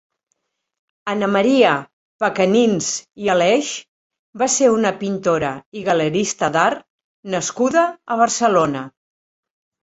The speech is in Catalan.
Anna Maria Pecanins i Aleix va ser una pintora i galerista d'art nascuda a Barcelona.